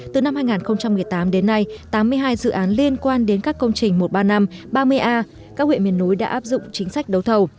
từ năm hai nghìn một mươi tám đến nay tám mươi hai dự án liên quan đến các công trình một trăm ba mươi năm ba mươi a các huyện miền núi đã áp dụng chính sách đấu thầu